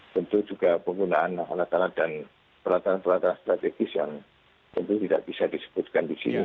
tentu juga penggunaan halat halat dan perlataran perlataran strategis yang tentu tidak bisa disebutkan di sini